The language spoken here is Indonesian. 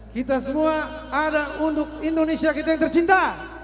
kita semua ada untuk indonesia kita yang tercinta